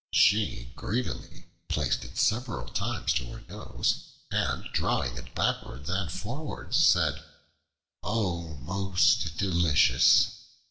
She greedily placed it several times to her nose, and drawing it backwards and forwards said, "O most delicious!